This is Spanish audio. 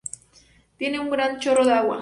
Tiene un gran chorro de agua.